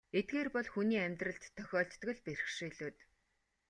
Эдгээр бол хүний амьдралд тохиолддог л бэрхшээлүүд.